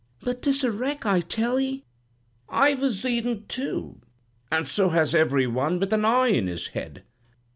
"'But 'tis a wreck, I tell 'ee.' "'Ive a zeed 'n, too; and so has every one with an eye in his head.'